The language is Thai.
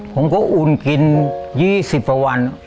ผมก็อุ่นกิน๒๐ประวัน